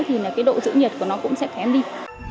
thì là cái độ giữ nhiệt của nó cũng sẽ kém đi